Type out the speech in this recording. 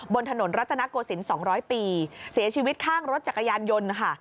บนถนนรัตนโกศิลป์๒๐๐ปีเสียชีวิตข้างรถจักรยานยนต์นะคะ